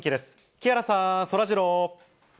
木原さん、そらジロー。